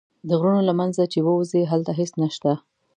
د غرونو له منځه چې ووځې هلته هېڅ نه شته.